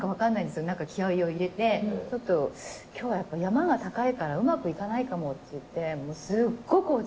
「ちょっと“今日はやっぱ山が高いからうまくいかないかも”って言って」